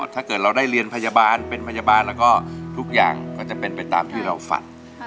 ถ้าเกิดเราได้เรียนพยาบาลเป็นพยาบาลแล้วก็ทุกอย่างก็จะเป็นไปตามที่เราฝัน